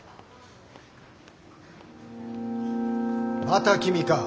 また君か。